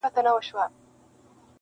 نه دچا خپل سوو نه پردي بس تر مطلبه پوري,